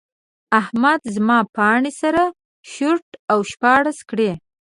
احمد زما پاڼې سره شرت او شپاړس کړې.